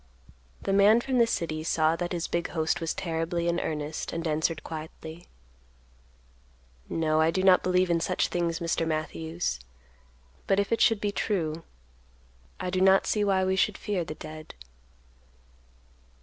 The man from the city saw that his big host was terribly in earnest, and answered quietly, "No, I do not believe in such things, Mr. Matthews; but if it should be true, I do not see why we should fear the dead."